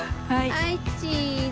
はいチーズ！